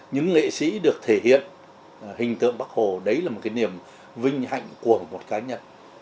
những nghệ sĩ được thể hiện hình tượng bắc hồ đấy là một cái niềm vinh hạnh của một cá nhân